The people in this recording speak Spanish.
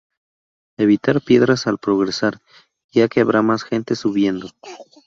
Evitar tirar piedras al progresar, ya que habrá más gente subiendo.